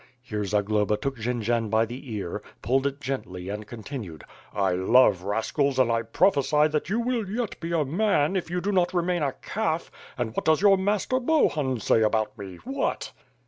Here Zagloba took Jendzian by the ear, pulled it gently and continued: "I love rascals and I prophecy that you will yet be a man if you do not remain a calf, and what does your master Bohun say about me? What?"